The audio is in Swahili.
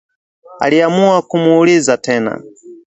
Aliamua kumuuliza tena